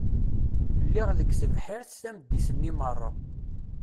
Lliɣ deg tebḥirt tameddit-nni meṛṛa.